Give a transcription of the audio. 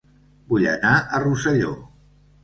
Vull anar a Rosselló